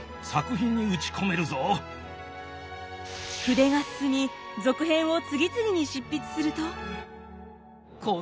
筆が進み続編を次々に執筆すると。